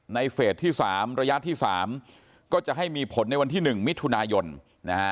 เฟสที่๓ระยะที่๓ก็จะให้มีผลในวันที่๑มิถุนายนนะฮะ